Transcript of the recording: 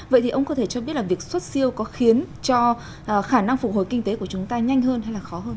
vậy thì ông có thể cho biết là việc xuất siêu có khiến cho khả năng phục hồi kinh tế của chúng ta nhanh hơn hay là khó hơn